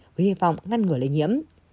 với hy vọng ngăn ngửa lây nhiễm